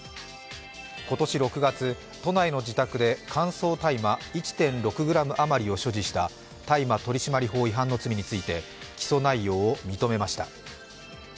今年６月、都内の自宅で乾燥大麻１．６ｇあまりを所持した所持した大麻取締法違反の罪について起訴内容を認めました。